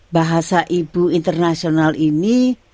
bahasa ibu internasional ini